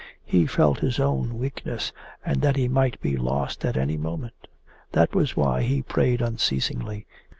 He felt his own weakness, and that he might be lost at any moment. That was why he prayed unceasingly.